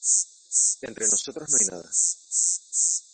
entre nosotros no hay nada .